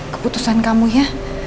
keputusan kamu ya